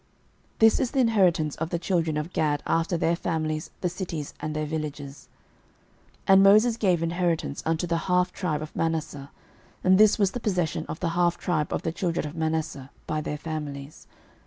06:013:028 This is the inheritance of the children of Gad after their families, the cities, and their villages. 06:013:029 And Moses gave inheritance unto the half tribe of Manasseh: and this was the possession of the half tribe of the children of Manasseh by their families.